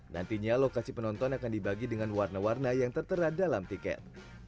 nantinya lokasi penonton akan dibagi dengan warna warna yang tertera dalam tiket